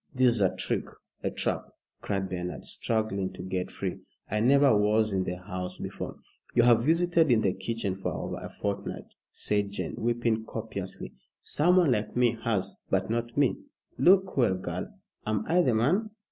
"This is a trick a trap!" cried Bernard, struggling to get free. "I never was in the house before " "You have visited in the kitchen for over a fortnight," said Jane, weeping copiously. "Someone like me has, but not me. Look well, girl. Am I the man?"